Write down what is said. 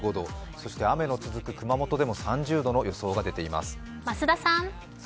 そして雨の続く熊本でも３０度の予想が出ています。